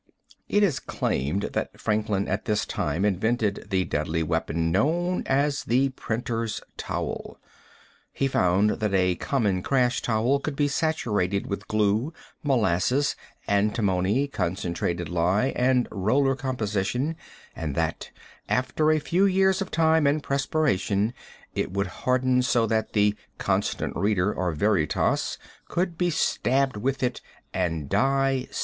It is claimed that Franklin at this time invented the deadly weapon known as the printer's towel. He found that a common crash towel could be saturated with glue, molasses, antimony, concentrated lye, and roller composition, and that after a few years of time and perspiration it would harden so that the "Constant Reader" or "Veritas" could be stabbed with it and die soon.